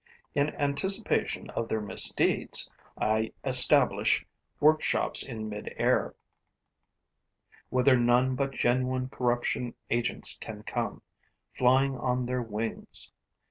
In anticipation of their misdeeds, I establish workshops in midair, whither none but genuine corruption agents can come, flying on their wings.